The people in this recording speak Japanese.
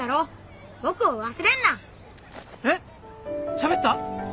しゃべった？